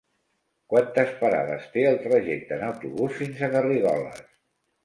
Quantes parades té el trajecte en autobús fins a Garrigoles?